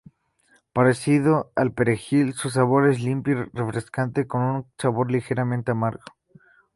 Parecido al perejil, su sabor es limpio y refrescante con un sabor ligeramente amargo.